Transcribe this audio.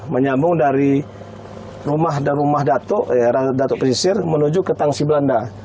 menyambung dari rumah dan rumah dato dato pesisir menuju ke tangsi belanda